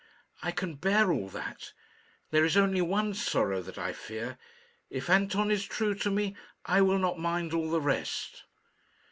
"I can bear all that. There is only one sorrow that I fear. If Anton is true to me, I will not mind all the rest."